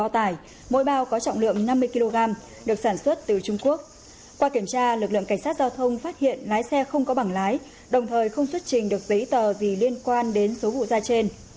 trước khi kiểm tra lực lượng cảnh sát giao thông phát hiện lái xe không có bảng lái đồng thời không xuất trình được giấy tờ gì liên quan đến số vụ ra trên